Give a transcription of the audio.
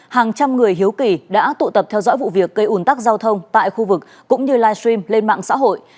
hàng trăm người hiếu kỳ đã tụ tập theo dõi vụ việc cây ủn tắc giao thông tại khu vực cũng như livestream lên mạng xã hội